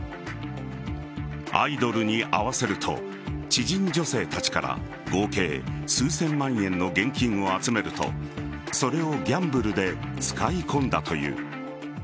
アイドルに会わせると知人女性たちから合計数千万円の現金を集めるとそれをギャンブルで使い込んだという。